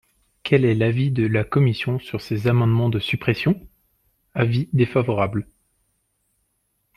Quel est l’avis de la commission sur ces amendements de suppression ? Avis défavorable.